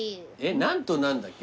何と何だっけ？